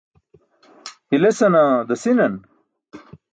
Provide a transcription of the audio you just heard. Hilesana dasi̇nan?